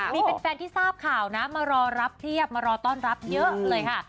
มีแฟนที่ทราบข่าวนะมารอรับเพียบมารอต้อนรับเยอะเลยค่ะ